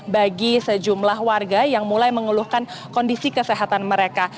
bagi sejumlah warga yang mulai mengeluhkan kondisi kesehatan mereka